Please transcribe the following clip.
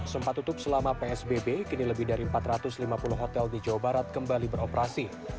sempat tutup selama psbb kini lebih dari empat ratus lima puluh hotel di jawa barat kembali beroperasi